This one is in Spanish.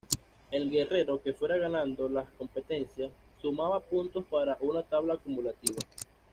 El guerrero que fuera ganando las competencias, sumaba puntos para una tabla acumulativa.